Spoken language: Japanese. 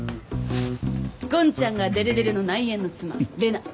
ゴンちゃんがデレデレの内縁の妻麗奈。